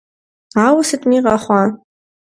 Ауэ сытми къэхъуа!